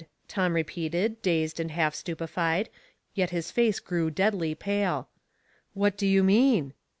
" Tom repeated, dazed and half stupefied, yet his face grew deadly pale. " What do you mean